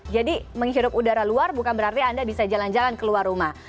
jadi menghirup udara luar bukan berarti anda bisa jalan jalan keluar rumah